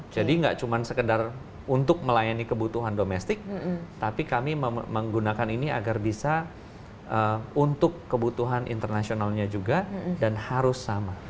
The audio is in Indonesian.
jadi nggak cuma sekedar untuk melayani kebutuhan domestik tapi kami menggunakan ini agar bisa untuk kebutuhan internasionalnya juga dan harus sama